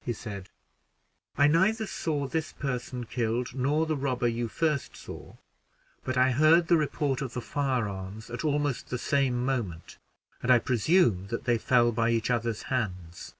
he said. "I neither saw this person killed, nor the robber you first saw, but I heard the report of the firearms at almost the same moment, and I presume that they fell by each other's hands."